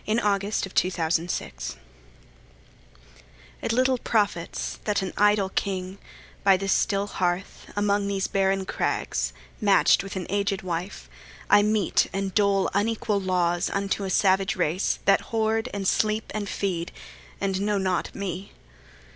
Alfred, Lord Tennyson Ulysses IT LITTLE profits that an idle king, By this still hearth, among these barren crags, Match'd with an aged wife, I mete and dole Unequal laws unto a savage race, That hoard, and sleep, and feed, and know not me.